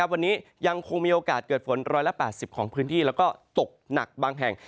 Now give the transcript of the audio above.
วันนี้ยังคงมีโอกาสเกิดฝน๑๘๐ของพื้นที่แล้วก็ตกหนักบางแห่ง